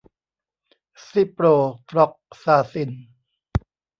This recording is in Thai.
ซิโปรฟลอกซาซิน